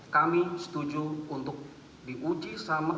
kami setuju untuk diuji sama